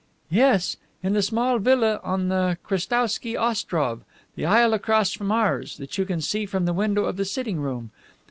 "Yes, in the small villa on the Krestowsky Ostrov, the isle across from ours, that you can see from the window of the sitting room.